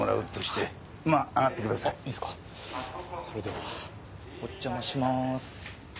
それではおじゃまします。